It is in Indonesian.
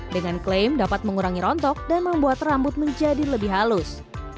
dengan klaim dapat mengurangi rontok dan membuat rambut menjadi lebih halus